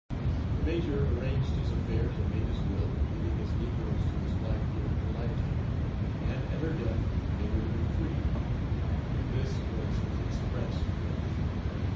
The major arranged his affairs and made his will, leaving his negroes to his wife during her life time and at her death they were to be free; this was his expressed wish.